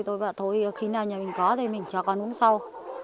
tôi và thôi khi nào nhà mình có thì mình cho con uống sau